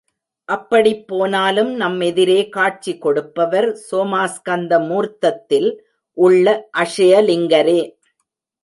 அப்படிப் போனாலும் நம் எதிரே காட்சி கொடுப்பவர் சோமாஸ்கந்த மூர்த்தத்தில் உள்ள அக்ஷயலிங்கரே.